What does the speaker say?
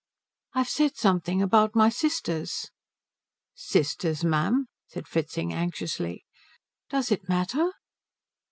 "I've said something about my sisters." "Sisters, ma'am?" said Fritzing anxiously. "Does it matter?"